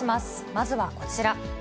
まずはこちら。